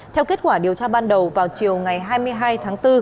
theo kết quả điều tra ban đầu vào chiều ngày hai mươi hai tháng bốn